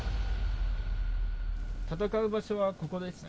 戦う場所はここですね。